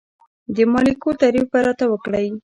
د مالیکول تعریف به راته وکړئ.